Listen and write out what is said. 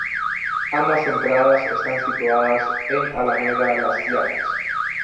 Ambas entradas están situadas en Alameda Las Llanas.